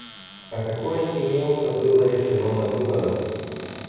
А какое имел, то было решено навыворот.